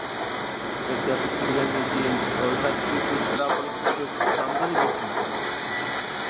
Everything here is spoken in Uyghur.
-مەكتەپ پۈتتۈرگەندىن كېيىن، رويخەتتىكى سېسترا بولۇشنى كۆزدە تۇتامدۇ دېمەكچىمەن.